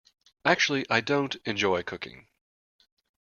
Actually, I don't enjoy cooking.